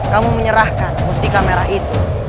kamu menyerahkan mustika merah itu